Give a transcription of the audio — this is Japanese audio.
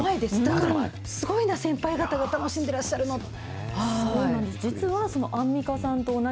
だからすごいんだ、先輩方が楽しんでらっしゃるなと。